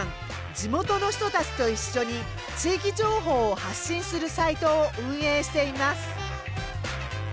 地元の人たちと一緒に地域情報を発信するサイトを運営しています。